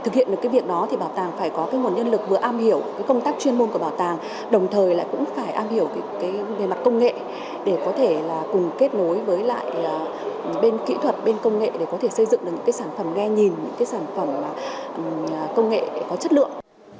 các ngôn nhân lực vừa am hiểu công tác chuyên môn của bảo tàng đồng thời lại cũng phải am hiểu về mặt công nghệ để có thể cùng kết nối với lại bên kỹ thuật bên công nghệ để có thể xây dựng được những sản phẩm nghe nhìn những sản phẩm công nghệ có chất lượng